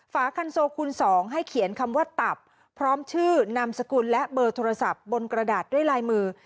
ฝาคันโซคูณ๒ให้เขียนคำว่าตับพร้อมชื่อนามสกุลและเบอร์โทรศัพท์บนกระดาษด้วยลายมือ